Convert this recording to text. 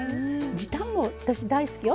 時短も私、大好きよ。